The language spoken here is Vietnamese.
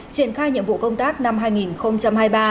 triển khai nhiệm vụ công tác năm hai nghìn hai mươi ba